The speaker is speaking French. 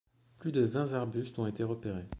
Plus de vingt arbustes ont été repérés.